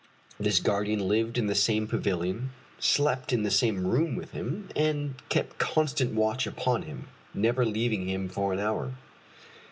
This guardian lived in the same pavilion, slept in the same room with him, and kept constant watch upon him, never leaving him for an hour.